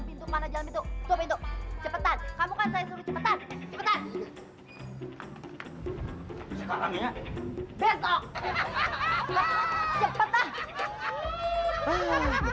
pintu mana jalan itu coba itu cepetan kamu kan saya suruh cepetan cepetan sekarang ya besok